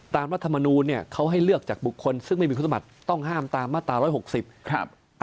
รัฐมนูลเนี่ยเขาให้เลือกจากบุคคลซึ่งไม่มีคุณสมัครต้องห้ามตามมาตรา๑๖๐ครับ